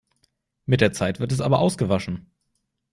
Mit der Zeit wird es aber ausgewaschen.